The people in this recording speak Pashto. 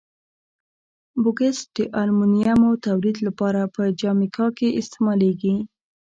بوکسیت د المونیمو تولید لپاره په جامیکا کې استعمالیږي.